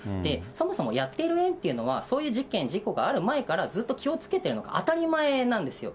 そもそもやっている園というのは、そういう事件、事故がある前から、ずっと気をつけてるのが当たり前なんですよ。